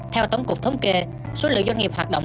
theo tổng cục thống kê số lượng doanh nghiệp hoạt động